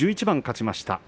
１１番勝ちました。